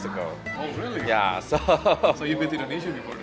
jadi kamu pernah ke indonesia